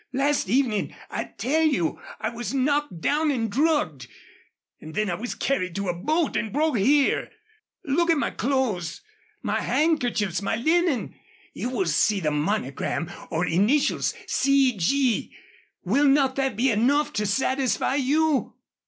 Last evening, I tell you, I was knocked down and drugged. Then I was carried to a boat and brought here. Look in my clothes, my handkerchiefs, my linen, you will see the monogram or initials C. G. Will not that be enough to satisfy you?"